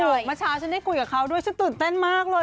เมื่อเช้าฉันได้คุยกับเขาด้วยฉันตื่นเต้นมากเลย